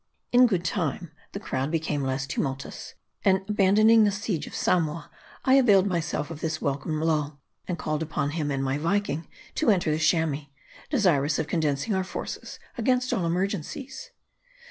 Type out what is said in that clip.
In good time, the crowd becoming less tumultuous, and abandoning the siege of Samoa, I availed myself of this welcome lull, and called upon him and my Viking to enter the Chamois ; desirous of condensing our forces against all emergencies.